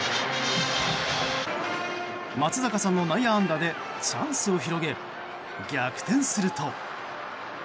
松坂さんの内野安打でチャンスを広げ、逆転すると。